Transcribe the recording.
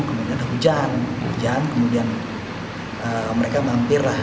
kemudian ada hujan hujan kemudian mereka mampir lah